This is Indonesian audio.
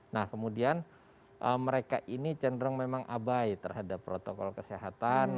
nah kemudian mereka ini cenderung memang abai terhadap protokol kesehatan